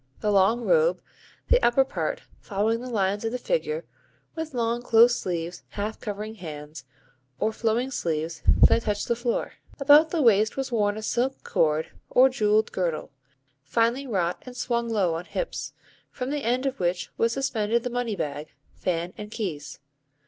The long robe, the upper part following the lines of the figure, with long close sleeves half covering hands, or flowing sleeves, that touched the floor. About the waist was worn a silk cord or jewelled girdle, finely wrought and swung low on hips; from the end of which was suspended the money bag, fan and keys.